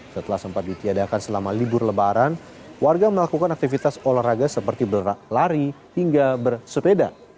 setelah sempat ditiadakan selama libur lebaran warga melakukan aktivitas olahraga seperti berlari hingga bersepeda